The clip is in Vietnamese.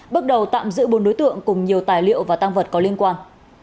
bước đầu tạm giữ bốn đối tượng cùng nhiều tài liệu và tăng vật có liên quan